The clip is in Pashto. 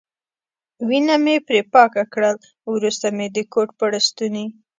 وینه مې پرې پاکه کړل، وروسته مې د کوټ په لستوڼي.